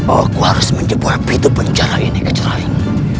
aku harus menjemput pintu penjara ini kejarain